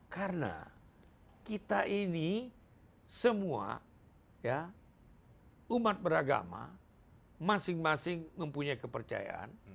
karena kita ini semua umat beragama masing masing mempunyai kepercayaan